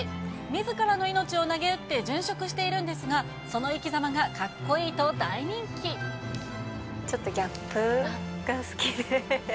みずからの命を投げ打って殉職しているんですが、その生きざまがちょっとギャップが好きで。